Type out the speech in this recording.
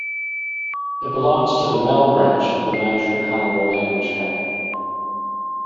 It belongs to the Mel branch of the Niger-Congo language family.